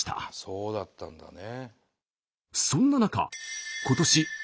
そうだったんだね。